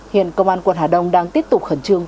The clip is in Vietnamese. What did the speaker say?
hiện công an quận hà đông đang tiếp tục khẩn trương